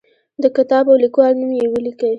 د کتاب او لیکوال نوم یې ولیکئ.